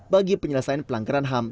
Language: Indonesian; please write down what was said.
bagi penyelesaian pelanggaran ham